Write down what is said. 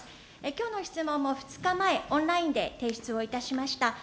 きょうの質問も２日前、オンラインで提出をいたしました。